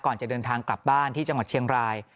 จะเดินทางกลับบ้านที่จังหวัดเชียงราย